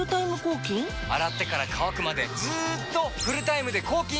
洗ってから乾くまでずっとフルタイムで抗菌！